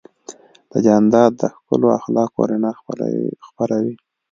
جانداد د ښکلو اخلاقو رڼا خپروي.